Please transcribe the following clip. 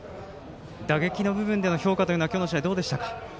打撃の部分での評価は今日の試合、どうでしたか。